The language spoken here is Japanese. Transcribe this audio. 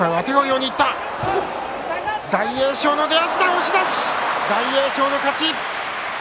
押し出し、大栄翔の勝ち。